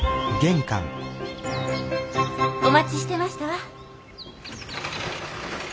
お待ちしてましたわ。